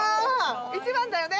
１番だよね？